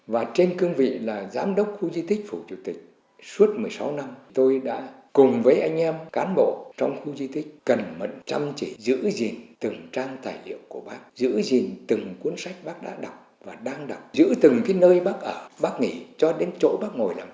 và trên cương vị là giám đốc khu di tích phủ chủ tịch suốt một mươi sáu năm tôi đã cùng với anh em cán bộ trong khu di tích cần mận chăm chỉ giữ gìn từng trang tài liệu của bác giữ gìn từng cuốn sách bác đã đọc và đang đọc giữ từng cái nơi bác ở bác nghỉ cho đến chỗ bác ngồi làm